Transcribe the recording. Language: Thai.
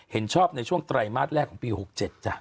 เห็นชอบในช่วงไตรมาสแรกของปี๖๗จ้ะ